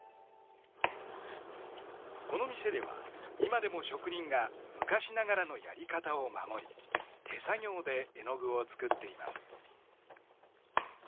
この店では今でも職人が昔ながらのやり方を守り手作業で絵の具を作っています。